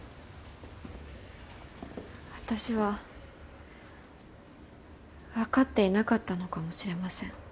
私はわかっていなかったのかもしれません。